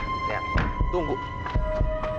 mas tunggu ya